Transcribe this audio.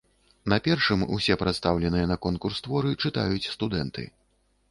На першым усе прадстаўленыя на конкурс творы чытаюць студэнты.